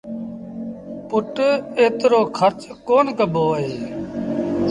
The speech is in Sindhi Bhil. پُٽ ايترو کرچ ڪونا ڪبو اهي۔